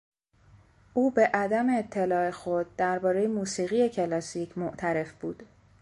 او به عدم اطلاع خود دربارهی موسیقی کلاسیک معترف بود.